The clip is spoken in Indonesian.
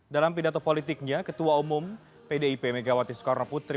dalam pidato politiknya ketua umum pdip megawati soekarnoputri